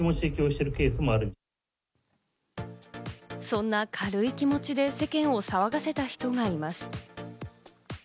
そんな軽い気持ちで世間を騒がせた人がいます。